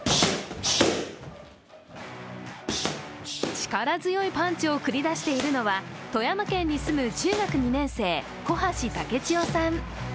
力強いパンチを繰り出しているのは富山県に住む中学２年生小橋武智代さん。